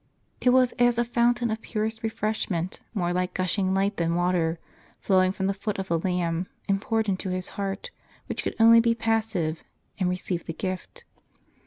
It was as a fountain of purest refreshment, more like gushing light than water, flowing from the foot of the Lamb, and poured into his heart, which could only be passive, and receive the gift.